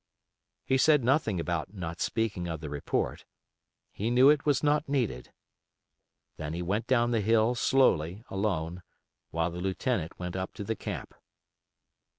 He said nothing about not speaking of the report. He knew it was not needed. Then he went down the hill slowly alone, while the lieutenant went up to the camp.